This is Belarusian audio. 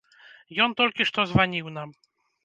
Ён толькі што званіў нам!